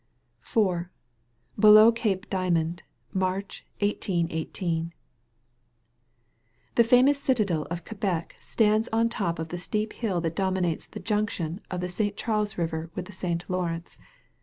IV BELOW CAPE DIAMOND March, 1818 The famous citadel of Quebec stands on top of the steep hill that dominates the junction of the Saint Charles River with the Saint Lawrence.